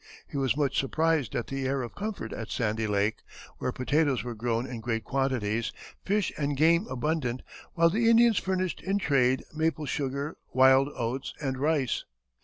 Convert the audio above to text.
He was much surprised at the air of comfort at Sandy Lake, where potatoes were grown in great quantities, fish and game abundant, while the Indians furnished in trade maple sugar, wild oats, and rice.